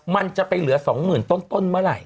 มันจะไปเหลือ๒๐๐๐ต้นเมื่อไหร่